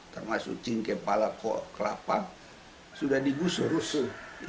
termasuk cingkepala kelapa sudah digusur gusur